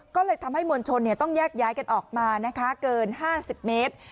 ก็เลยทำให้มวลชนต้องแยกย้ายกันออกมานะคะเกิน๕๐เมตร